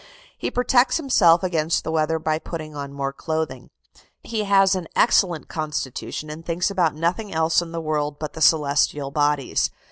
He protects himself against the weather by putting on more clothing. He has an excellent constitution, and thinks about nothing else in the world but the celestial bodies.